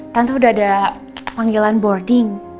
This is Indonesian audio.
tante udah ada panggilan boarding